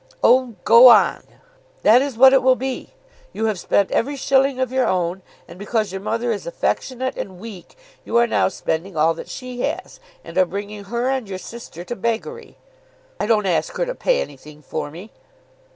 "Oh, go on." "That is what it will be. You have spent every shilling of your own, and because your mother is affectionate and weak, you are now spending all that she has, and are bringing her and your sister to beggary." "I don't ask them to pay anything for me."